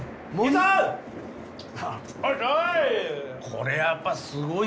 これやっぱすごいっすわ。